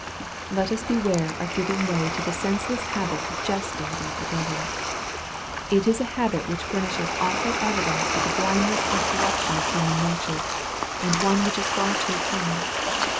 Let us beware of giving way to the senseless habit of jesting about the devil. It is a habit which furnishes awful evidence of the blindness and corruption of human nature, and one which is far too common.